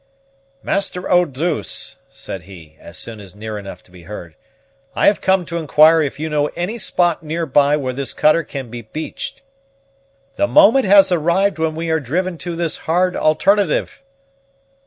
"Master Eau douce," said he, as soon as near enough to be heard, "I have come to inquire if you know any spot near by where this cutter can be beached? The moment has arrived when we are driven to this hard alternative."